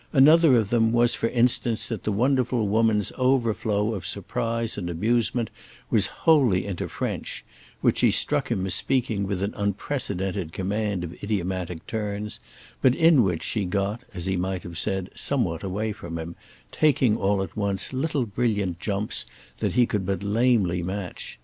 Another of them was for instance that the wonderful woman's overflow of surprise and amusement was wholly into French, which she struck him as speaking with an unprecedented command of idiomatic turns, but in which she got, as he might have said, somewhat away from him, taking all at once little brilliant jumps that he could but lamely match.